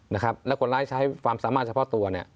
และคนร้ายใช้ความสามารถเฉพาะตัว